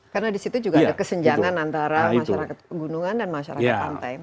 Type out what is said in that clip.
karena di situ juga ada kesenjangan antara masyarakat gunungan dan masyarakat pantai